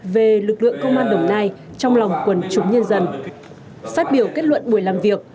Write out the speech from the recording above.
về lực lượng công an đồng nai trong lòng quần chúng nhân dân phát biểu kết luận buổi làm việc